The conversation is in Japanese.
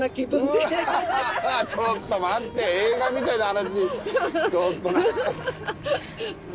ちょっと待って映画みたいな話。